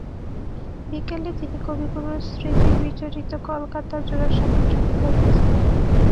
বিকেলে তিনি কবিগুরুর স্মৃতিবিজড়িত কলকাতার জোড়াসাঁকোর ঠাকুরবাড়িতে যান।